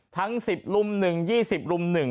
ทั้ง๑๐รุ่มหนึ่ง๒๐รุ่มหนึ่ง